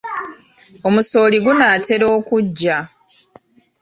Omusooli gunaatera okuggya.